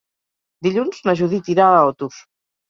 Dilluns na Judit irà a Otos.